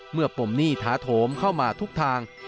ปมหนี้ท้าโถมเข้ามาทุกทาง